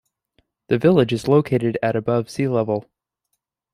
The village is located at above sea level.